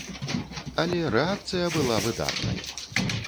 Але рэакцыя была выдатнай.